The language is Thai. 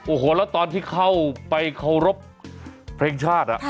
โอ้โหแล้วตอนที่เข้าไปเคารพเพลงชาติ